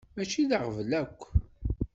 Mačči d aɣbel akk.